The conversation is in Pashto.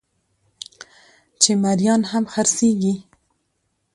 چې مريان هم خرڅېږي